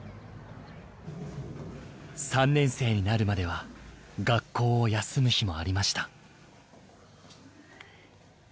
３年生になるまでは学校を休む日もありました。